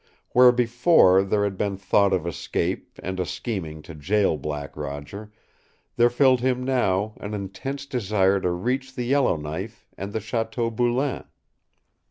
Where before there had been thought of escape and a scheming to jail Black Roger, there filled him now an intense desire to reach the Yellowknife and the Chateau Boulain.